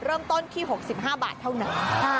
เริ่มต้นที่๖๕บาทเท่านั้น